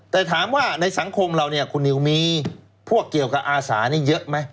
แต่ถามว่าในสังคมเราเนี่ยคุณนิวมีพวกเกี่ยวกับอาสานี่เยอะไหม